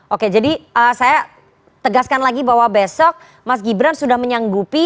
oke jadi saya tegaskan lagi bahwa besok mas gibran sudah menyanggupi